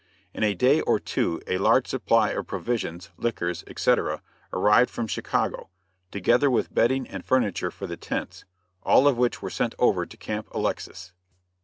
In a day or two a large supply of provisions, liquors, etc., arrived from Chicago, together with bedding and furniture for the tents; all of which were sent over to Camp Alexis. [Illustration: GRAND DUKE ALEXIS.